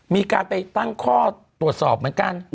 มีการไปตั้งข้อตรวจสอบเหมือนกัน